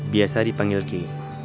biasa dipanggil kei